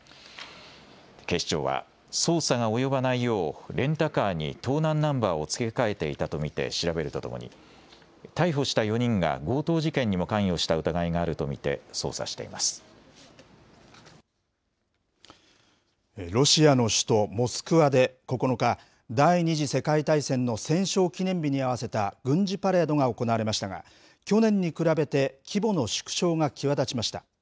警視庁は、捜査が及ばないよう、レンタカーに盗難ナンバーを付け替えていたと見て調べるとともに、逮捕した４人が強盗事件にも関与した疑いがあると見て捜査していロシアの首都モスクワで、９日、第２次世界大戦の戦勝記念日に合わせた軍事パレードが行われましたが、去年に比べて規模の縮小が際立ちました。